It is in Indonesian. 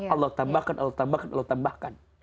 allah tambahkan allah tambahkan allah tambahkan